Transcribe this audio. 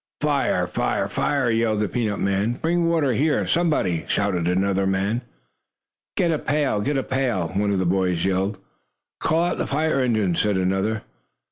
"Fire! Fire! Fire!" yelled the peanut man. "Bring water here, somebody!" shouted another man. "Get a pail! Get a pail!" one of the boys yelled. "Call out the fire engines!" said another.